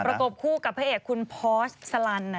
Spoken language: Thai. กบคู่กับพระเอกคุณพอสลัน